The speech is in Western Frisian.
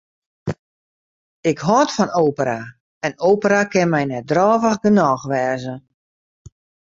Ik hâld fan opera en opera kin my net drôvich genôch wêze.